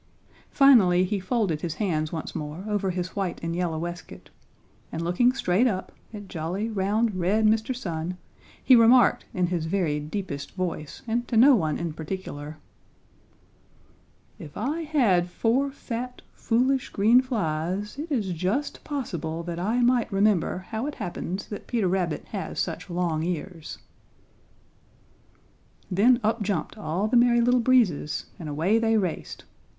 Finally he folded his hands once more over his white and yellow waistcoat, and looking straight up at jolly, round, red Mr. Sun he remarked in his very deepest Voice and to no one in particular: "If I had four fat, foolish, green flies, it is just possible that I might remember how it happens that Peter Rabbit has such long ears." Then up jumped all the Merry Little Breezes and away they raced.